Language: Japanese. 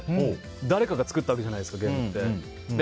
誰かが作ったわけじゃないですかゲームって。